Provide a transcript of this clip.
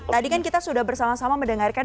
tadi kan kita sudah bersama sama mendengarkan